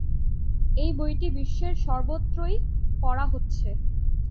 এই বইটি বিশ্বের সর্বত্রই পড়া হচ্ছে।